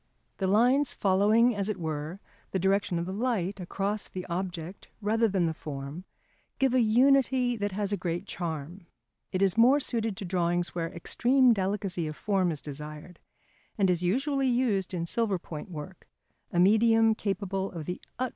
The lines following, as it were, the direction of the light across the object rather than the form, give a unity that has a great charm. It is more suited to drawings where extreme delicacy of form is desired, and is usually used in silver point work, a medium capable of the utmost refinement.